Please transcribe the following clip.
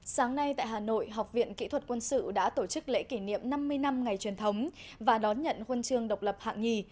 sáng nay tại hà nội học viện kỹ thuật quân sự đã tổ chức lễ kỷ niệm năm mươi năm ngày truyền thống và đón nhận huân chương độc lập hạng nhì